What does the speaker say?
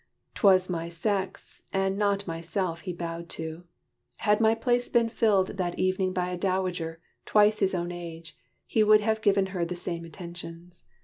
'T was my sex And not myself he bowed to. Had my place Been filled that evening by a dowager, Twice his own age, he would have given her The same attentions.